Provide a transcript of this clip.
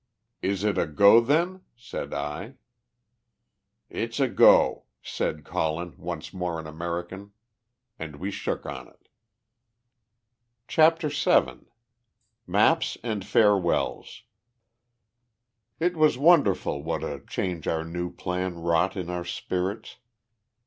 "Is it a go, then?" said I. "It's a go," said Colin, once more in American. And we shook on it. CHAPTER VII MAPS AND FAREWELLS It was wonderful what a change our new plan wrought in our spirits.